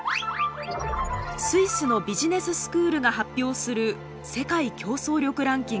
スイスのビジネススクールが発表する世界競争力ランキングです。